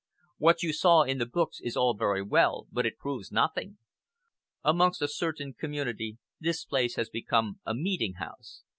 What you saw in the books is all very well, but it proves nothing. Amongst a certain community this place has become a meeting house.